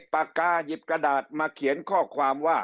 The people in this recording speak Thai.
ปากกาหยิบกระดาษมาเขียนข้อความว่า